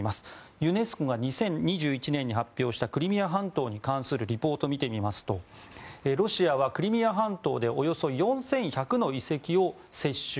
ユネスコが２０２１年に発表したクリミア半島に関するリポートを見てみますとロシアはクリミア半島でおよそ４１００の遺跡を接収。